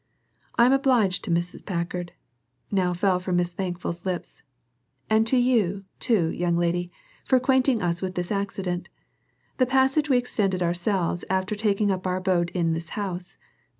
"I'm obliged to Mrs. Packard," now fell from Miss Thankful's lips, "and to you, too, young lady, for acquainting us with this accident. The passage we extended ourselves after taking up our abode in this house.